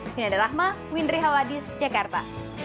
saya nanda rahma windri hawadis cekerpa